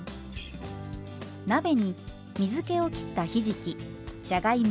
鍋に水けをきったひじきじゃがいも